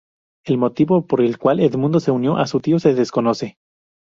El motivo por el cual Edmundo se unió a su tío se desconoce.